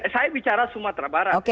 saya bicara sumatera barat